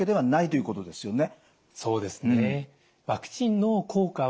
そうですね。